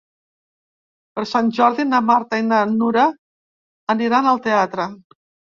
Per Sant Jordi na Marta i na Nura aniran al teatre.